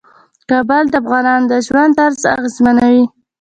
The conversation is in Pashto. کابل د افغانانو د ژوند طرز اغېزمنوي.